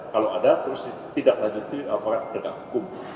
kalau ada terus tidak lanjutkan dengan hukum